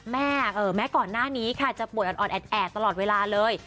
แม้ก่อนหน้านี้ค่ะจะป่วยอ่อนแอดตลอดเวลาเลย